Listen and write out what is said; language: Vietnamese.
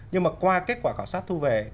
nhưng mà qua kết quả khảo sát thu về